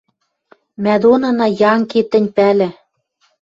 Мӓ донына, янки, тӹнь пӓлӹ: